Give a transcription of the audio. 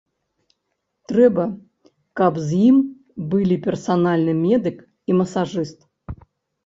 Трэба, каб з імі былі персанальны медык і масажыст.